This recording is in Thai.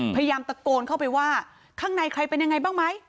พยายามตะโกนเข้าไปว่าข้างในใครเป็นยังไงบ้างไหม